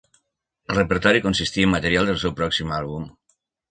El repertori consistia en material del seu pròxim àlbum.